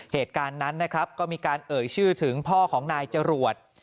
เหตุการณ์นั้นนะครับก็มีการเอ่ยชื่อถึงพ่อของนายจรวด